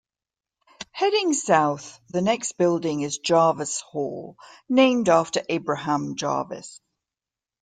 Heading south, the next building is Jarvis Hall, named after Abraham Jarvis.